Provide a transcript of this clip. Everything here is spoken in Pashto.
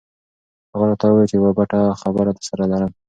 هغه راته وویل چې یوه پټه خبره درسره لرم.